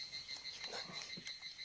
何？